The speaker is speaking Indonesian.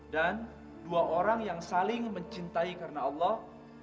dan dua orang yang saling mencintai karena allah